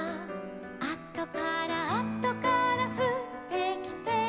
「あとからあとからふってきて」